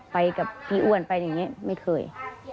ไปกับพี่อ้วนไปอย่างนี้ไม่เคย